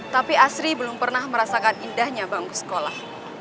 tapi asri belum pernah merasakan indahnya bangku sekolah